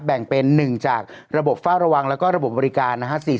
แบ่งเป็น๑จากระบบเฝ้าระวังแล้วก็ระบบบบริการนะฮะ